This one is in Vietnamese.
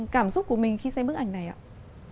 cảm xúc của mình khi xem bức ảnh này ạ